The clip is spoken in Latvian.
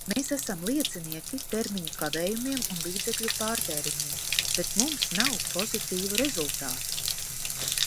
Mēs esam liecinieki termiņu kavējumiem un līdzekļu pārtēriņiem, bet mums nav pozitīvu rezultātu.